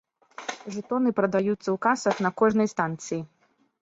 Жэтоны прадаюцца ў касах на кожнай станцыі.